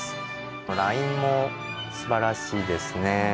もうラインもすばらしいですね。